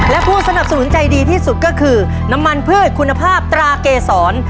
และผู้สนับสนุนใจดีที่สุดก็คือน้ำมันพืชคุณภาพตราเกษร